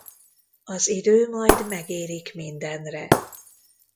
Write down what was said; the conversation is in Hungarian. Az idő majd megérik mindenre.